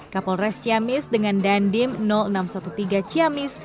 kapolres ciamis dengan dandim enam ratus tiga belas ciamis